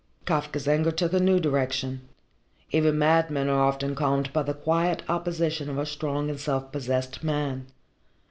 Kafka's anger took a new direction. Even madmen are often calmed by the quiet opposition of a strong and self possessed man.